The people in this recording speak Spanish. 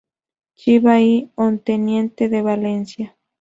Chiva y Onteniente de Valencia.